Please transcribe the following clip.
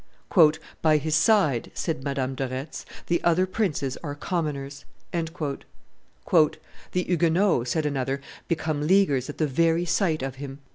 "By his side," said Madame de Retz, "the other princes are commoners." "The Huguenots," said another, "become Leaguers at the very sight of him."